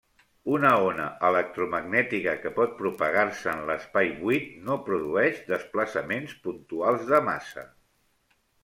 Una ona electromagnètica que pot propagar-se en l'espai buit no produeix desplaçaments puntuals de massa.